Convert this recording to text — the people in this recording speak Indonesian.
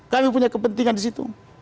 kami punya kepentingan disitu